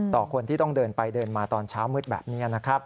คนที่ต้องเดินไปเดินมาตอนเช้ามืดแบบนี้นะครับ